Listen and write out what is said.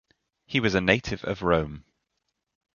He was a native of Rome.